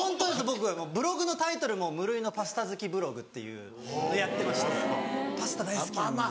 僕ブログのタイトルも「無類のパスタ好きブログ」っていうのでやってましてパスタ大好きなんです。